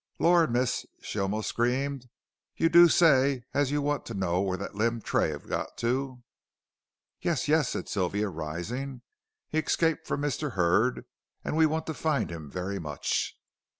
"Lor', miss," she almost screamed, "you do say as you want t'know where that limb Tray 'ave got to " "Yes yes," said Sylvia, rising, "he escaped from Mr. Hurd, and we want to find him very much."